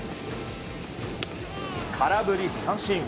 空振り三振。